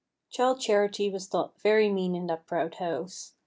Childe Charity was thought very mean in that proud house.